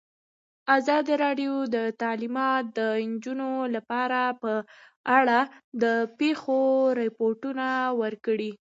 ازادي راډیو د تعلیمات د نجونو لپاره په اړه د پېښو رپوټونه ورکړي.